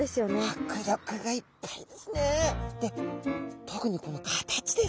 迫力がいっぱいですね。